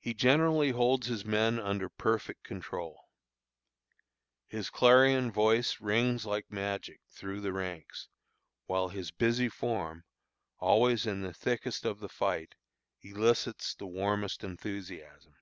He generally holds his men under perfect control. His clarion voice rings like magic through the ranks, while his busy form, always in the thickest of the fight, elicits the warmest enthusiasm.